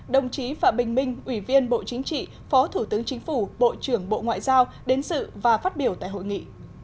đồng chí phạm bình minh ủy viên bộ chính trị phó thủ tướng chính phủ bộ trưởng bộ ngoại giao đến sự và phát biểu tại hội nghị